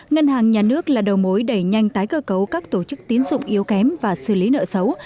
ngân hàng nhà nước là đầu mối đẩy nhanh tái cơ cấu các tổ chức tín dụng yếu kém và xử lý nợ xấu